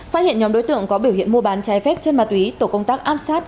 phát hiện nhóm đối tượng có biểu hiện mua bán trái phép trên ma túy tổ công tác áp sát